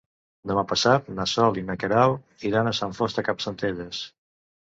Demà passat na Sol i na Queralt iran a Sant Fost de Campsentelles.